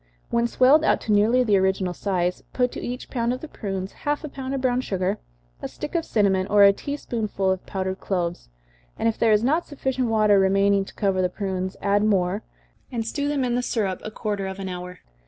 When swelled out to nearly the original size, put to each pound of the prunes half a pound of brown sugar, a stick of cinnamon, or a tea spoonful of powdered cloves, and if there is not sufficient water remaining to cover the prunes, add more, and stew them in the syrup a quarter of an hour.